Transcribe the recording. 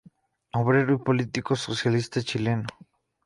Obrero y político socialista chileno.